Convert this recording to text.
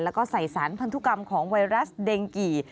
แล้วก็ใส่สารพันธุกรรมของไวรัสเด็งกี่